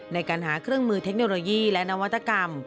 ในการหาเครื่องมือเทคโนโลยีและนวัตกรรม